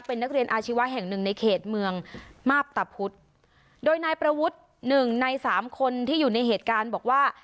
เป็นนักเรียนอาชีวะแห่งหนึ่งในเขตเมืองมาพตะพุธโดยนายประวุฒิหนึ่งในสามคนที่อยู่ในเหตุการณ์บอกว่า